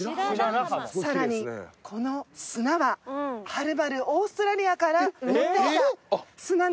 さらにこの砂ははるばるオーストラリアから持ってきた砂なんです。